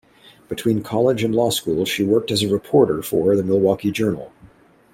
Between college and law school she worked as a reporter for "The Milwaukee Journal".